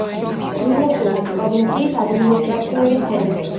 გირესუნის პროვინციის ადმინისტრაციული ცენტრი.